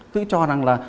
cứ cho rằng là